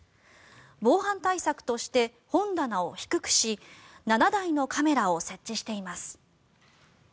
防犯対策として本棚を低くし７台のカメラを設置しています。